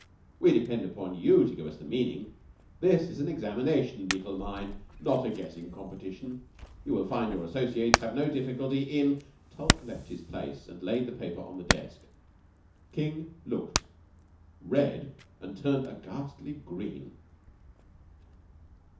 "We depend upon you to give us the meaning. This is an examination, Beetle mine, not a guessing competition. You will find your associates have no difficulty in " Tulke left his place and laid the paper on the desk. King looked, read, and turned a ghastly green.